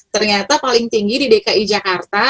ternyata paling tinggi di dki jakarta